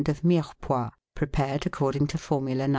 of Mirepoix, prepared accord ing to Formula No.